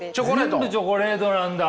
全部チョコレートなんだ。